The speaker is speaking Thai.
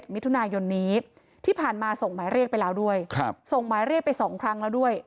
มิถุนายนนี้ที่ผ่านมาส่งหมายเรียกไปแล้วด้วยส่งหมายเรียกไป๒ครั้งแล้วด้วย